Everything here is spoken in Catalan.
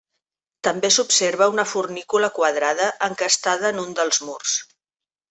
També s'observa una fornícula quadrada encastada en un dels murs.